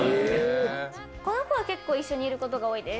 この子は結構一緒にいることが多いです。